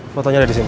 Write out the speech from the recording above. fotonya ada di sini